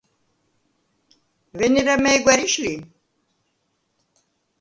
ვენერა მა̈ჲ გვა̈რიშ ლი?